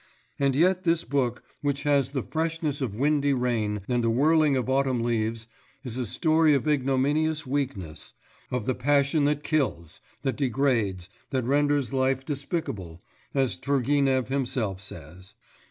And yet this book, which has the freshness of windy rain and the whirling of autumn leaves, is a story of ignominious weakness, of the passion that kills, that degrades, that renders life despicable, as Turgenev himself says.